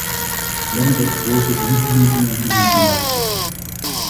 Jammer dat de voorzitter niet de moeite neemt om hier vandaag te zijn.